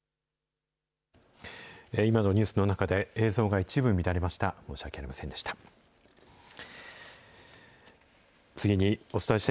今のニュースの中で、映像が一部乱れました。